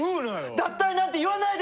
脱退なんて言わないで！